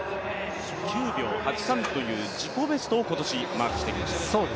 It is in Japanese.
９秒８３という自己ベストを今年マークしています。